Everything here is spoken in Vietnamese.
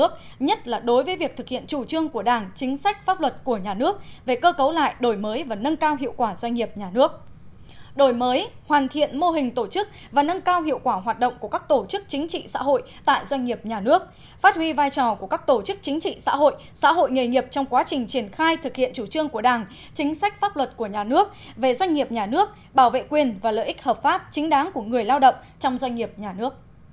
chính sách pháp luật của nhà nước về cơ cấu lại đổi mới và nâng cao hiệu quả doanh nghiệp nhà nước đổi mới hoàn thiện mô hình tổ chức và nâng cao hiệu quả hoạt động của các tổ chức chính trị xã hội tại doanh nghiệp nhà nước phát huy vai trò của các tổ chức chính trị xã hội xã hội nghề nghiệp trong quá trình triển khai thực hiện chủ trương của đảng chính sách pháp luật của nhà nước về doanh nghiệp nhà nước bảo vệ quyền và lợi ích hợp pháp chính đáng của người lao động trong doanh nghiệp nhà nước